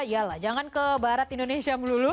yalah jangan ke barat indonesia melulu